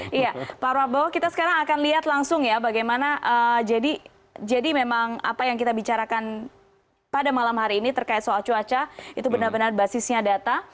iya pak prabowo kita sekarang akan lihat langsung ya bagaimana jadi memang apa yang kita bicarakan pada malam hari ini terkait soal cuaca itu benar benar basisnya data